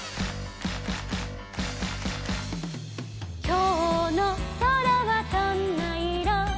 「きょうのそらはどんないろ？」